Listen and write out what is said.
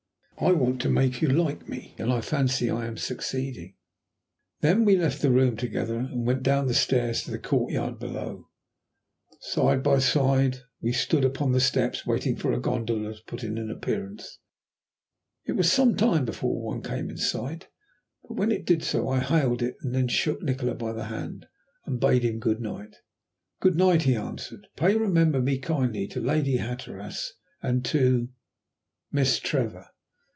I want to make you like me, and I fancy I am succeeding." Then we left the room together, and went down the stairs to the courtyard below. Side by side we stood upon the steps waiting for a gondola to put in an appearance. It was some time before one came in sight, but when it did so I hailed it, and then shook Nikola by the hand and bade him good night. "Good night," he answered. "Pray remember me kindly to Lady Hatteras and to Miss Trevor."